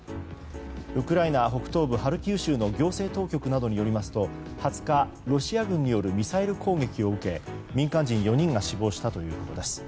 ウクライナ北東部ハルキウ州の行政当局などによりますと２０日、ロシア軍によるミサイル攻撃を受け民間人４人が死亡したということです。